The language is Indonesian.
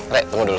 rek tunggu dulu